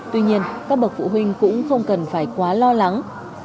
tuy nhiên các bậc phụ huynh cũng không cần phải quá lo lắng